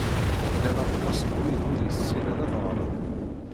Llan aṭas n wid ur yessinen ad ɣren.